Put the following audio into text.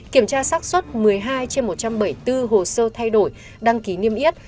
kiểm tra sát xuất một mươi hai trên một trăm bảy mươi bốn hồ sơ thay đổi đăng ký niêm yết